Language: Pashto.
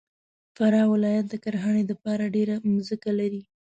فراه ولایت د کرهنې دپاره ډېره مځکه لري.